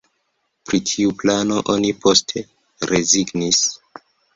Pri tiu plano oni poste rezignis.